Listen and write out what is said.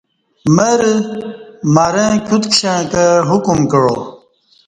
مرہ مرں کیوت کشݩع کہ حکم کعا